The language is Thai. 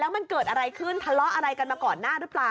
มันเกิดอะไรขึ้นทะเลาะอะไรกันมาก่อนหน้าหรือเปล่า